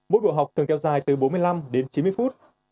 mỗi buổi học thường kéo dài từ bốn mươi năm đến chín mươi phút